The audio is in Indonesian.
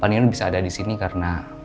panino bisa ada disini karena